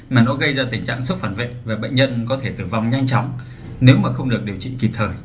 mà nó gây ra tình trạng sốc phản vệ và bệnh nhân có thể tử vong nhanh chóng nếu mà không được điều trị kịp thời